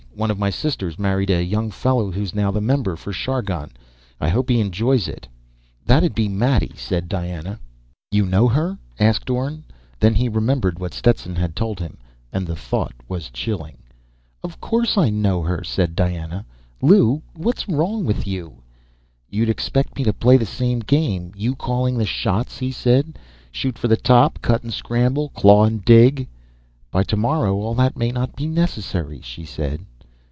One of my sisters married a young fellow who's now the member for Chargon. I hope he enjoys it!" "That'd be Maddie," said Diana. "You know her?" asked Orne. Then he remembered what Stetson had told him, and the thought was chilling. "Of course I know her," said Diana. "Lew, what's wrong with you?" "You'd expect me to play the same game, you calling the shots," he said. "Shoot for the top, cut and scramble, claw and dig." "By tomorrow all that may not be necessary," she said.